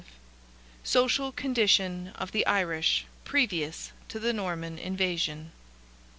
SOCIAL CONDITION OF THE IRISH PREVIOUS TO THE NORMAN INVASION.